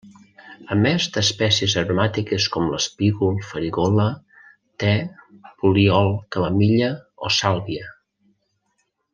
A més d'espècies aromàtiques com l'espígol, farigola, te, poliol, camamilla o sàlvia.